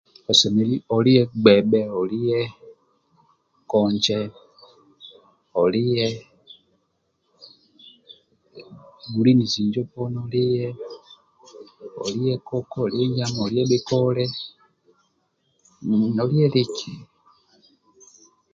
Osemelelubl olie gbhebhe olie konje olie gulinizi injo poni olie olie koko olie nyama olie bhikole olie liki